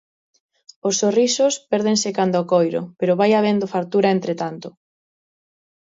Os sorrisos pérdense canda o coiro pero vai habendo fartura entre tanto.